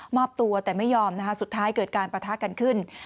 อบตัวแต่ไม่ยอมนะคะสุดท้ายเกิดการปะทะกันขึ้น